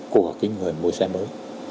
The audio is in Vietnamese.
của cái người mua xe mới